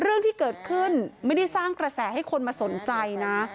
เรื่องที่เกิดขึ้นไม่ได้สร้างกระแสให้คนมาสนใจนะ